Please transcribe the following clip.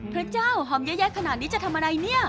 พระเจ้าหอมเยอะแยะขนาดนี้จะทำอะไรเนี่ย